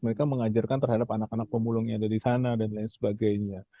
mereka mengajarkan terhadap anak anak pemulung yang ada di sana dan lain sebagainya